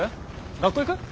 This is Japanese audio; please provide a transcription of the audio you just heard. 学校行く？